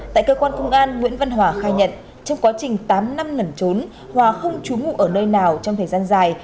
tại cơ quan công an nguyễn văn hòa khai nhận trong quá trình tám năm lẩn trốn hòa không trú ngụ ở nơi nào trong thời gian dài